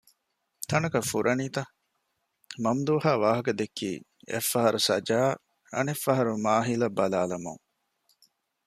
ތަނަކަށް ފުރަނީތަ ؟ މަމްދޫހާ ވާހަކަދެއްކީ އެއްފަހަރު ސަޖާއަށް އަނެއްފަހަރު މާހިލަށް ބަލާލަމުން